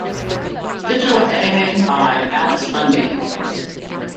Digital editing by Alex Mundy.